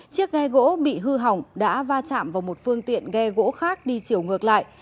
chiếc ghe gỗ bị hư hỏng đã va chạm vào một phương tiện ghe gỗ khác đi chiều ngược lại